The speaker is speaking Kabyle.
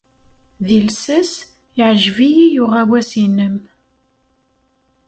Deg llsas, yeɛjeb-iyi uɣawas-nnem.